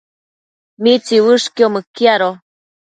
¿mitsiuëshquio mëquiado?